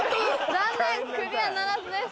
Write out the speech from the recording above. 残念クリアならずです。